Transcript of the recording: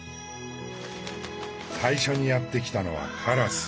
最初にやって来たのはカラス。